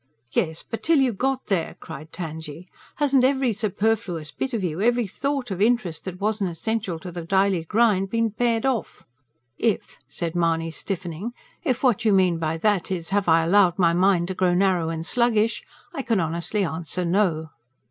"Yes, but till you got there!" cried Tangye. "Hasn't every superfluous bit of you every thought of interest that wasn't essential to the daily grind been pared off?" "If," said Mahony stiffening, "if what you mean by that is, have I allowed my mind to grow narrow and sluggish, I can honestly answer no."